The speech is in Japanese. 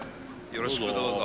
よろしくどうぞ。